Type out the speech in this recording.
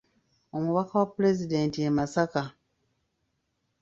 Omubaka wa Pulezidenti e Masaka.